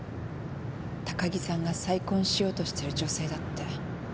高木さんが再婚しようとしてる女性だって。